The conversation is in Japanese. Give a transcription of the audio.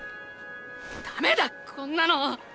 ダメだこんなの。